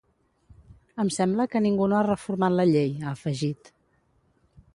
Em sembla que ningú no ha reformat la llei, ha afegit.